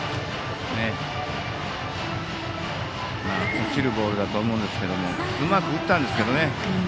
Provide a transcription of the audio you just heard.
落ちるボールだと思いますがうまく打ったんですけどね。